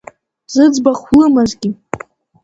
Зыӡбахә лымазгьы…